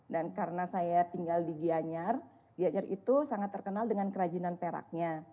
dan karena saya tinggal di gianyar gianyar itu sangat terkenal dengan kerajinan peraknya